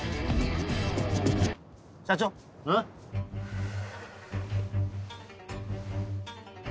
ふぅ。